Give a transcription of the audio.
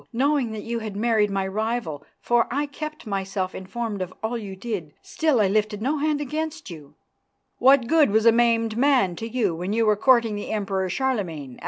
Knowing that you had married my rival, for I kept myself informed of all you did, still I lifted no hand against you " "What good was a maimed man to you when you were courting the Emperor Charlemagne?"